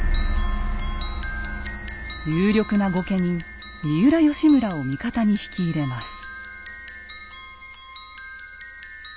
有力な御家人三浦義村を味方に引き入れます。